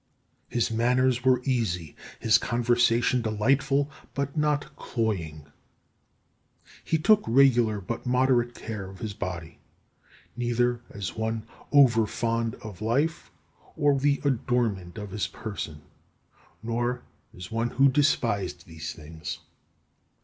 His manners were easy, his conversation delightful, but not cloying. He took regular but moderate care of his body, neither as one over fond of life or of the adornment of his person, nor as one who despised these things.